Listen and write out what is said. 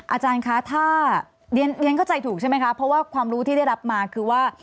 อาจารย์คะถ้าเรียนเข้าใจถูกใช่ไหมคะเพราะว่าความรู้ที่ได้รับมาคือว่า